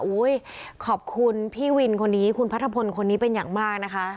ขอบคุณพี่วินคนนี้คุณพัทธพลคนนี้เป็นอย่างมากนะคะ